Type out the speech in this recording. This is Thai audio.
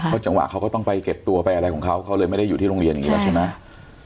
จังหวะเขาก็ต้องไปเก็บตัวไปอะไรของเขาเขาเลยไม่ได้อยู่ที่โรงเรียนอย่างนี้แล้วใช่ไหม